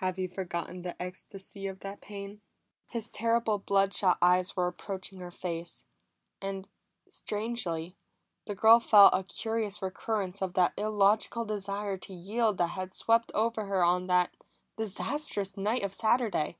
Have you forgotten the ecstasy of that pain?" His terrible, blood shot eyes were approaching her face; and strangely, the girl felt a curious recurrence of that illogical desire to yield that had swept over her on that disastrous night of Saturday.